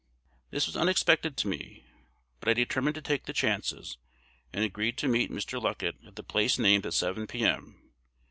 "This was unexpected to me; but I determined to take the chances, and agreed to meet Mr. Luckett at the place named at 7, p.m.